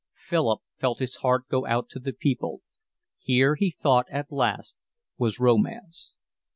Philip felt his heart go out to the people. Here he thought at last was romance.